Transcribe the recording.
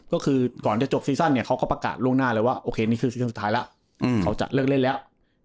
ก็คือก่อนจะจบซีซั่นเนี่ยเขาก็ประกาศล่วงหน้าเลยว่าโอเคนี่คือซีซั่นสุดท้ายแล้วเขาจะเลิกเล่นแล้ว